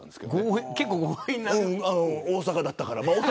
大阪だったから。